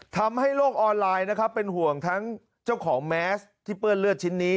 ทำให้โลกออนไลน์นะครับเป็นห่วงทั้งเจ้าของแมสที่เปื้อนเลือดชิ้นนี้